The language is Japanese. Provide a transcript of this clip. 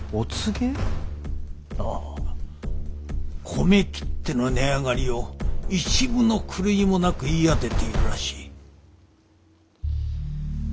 米切手の値上がりを一分の狂いもなく言い当てているらしい。